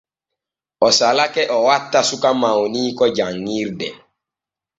O salake o watta suka mawniiko janŋirde.